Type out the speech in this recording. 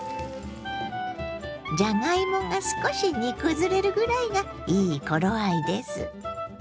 じゃがいもが少し煮崩れるぐらいがいい頃合いです。